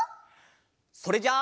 それじゃあせの。